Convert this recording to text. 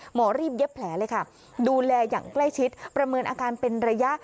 หมอรีบเย็บแผลเลยค่ะดูแลอย่างใกล้ชิดประเมินอาการเป็นระยะ